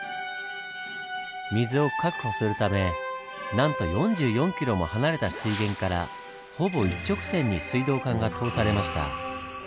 水を確保するためなんと４４キロも離れた水源からほぼ一直線に水道管が通されました。